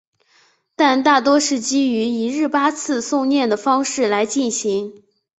但大多是基于一日八次诵念的方式来进行。